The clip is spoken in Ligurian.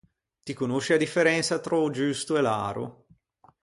Ti conosci a differensa tra o giusto e l’aro?